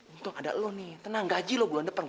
untung ada lu nih tenang gaji lu bulan depan